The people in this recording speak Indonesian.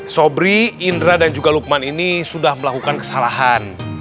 sobri indra dan juga lukman ini sudah melakukan kesalahan